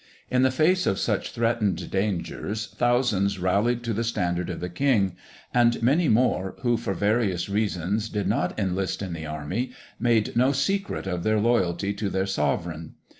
In the face of such threatened dangers thousands rallied to the standard of the king, and many more, who for various reasons, did not enlist in the army, made no secret of their loyalty to their sovereign.